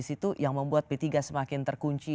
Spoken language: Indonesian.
situ yang membuat p tiga semakin terkunci